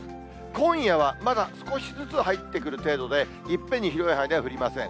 今夜はまだ少しずつ入ってくる程度で、いっぺんに広い範囲では降りません。